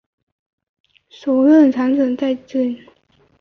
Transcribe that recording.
首任首长为成在基。